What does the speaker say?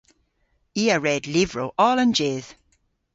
I a red lyvrow oll an jydh.